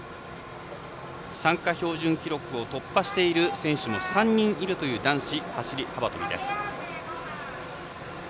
参加標準記録を突破している選手が３人いるという男子走り幅跳びです。